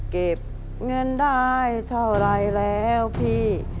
เก็บเงินได้เท่าไรแล้วพี่